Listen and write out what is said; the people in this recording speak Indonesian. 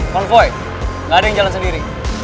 konvoy nggak ada yang jalan sendiri